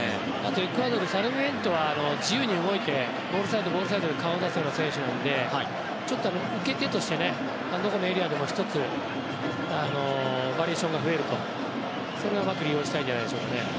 エクアドルのサルミエントは自由に動いてボールサイド、ボールサイドで顔を出せる選手なので受け手としてもどこのエリアでも１つバリエーションが増えるとそれをうまく利用したいんじゃないですかね。